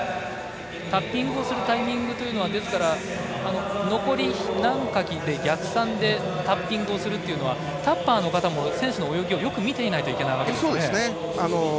タッピングをするタイミングというのは残り何かきで逆算でタッピングするというのはタッパーの方も選手の泳ぎをよく見ていないといけないですね。